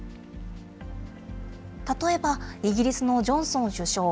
例えば、イギリスのジョンソン首相。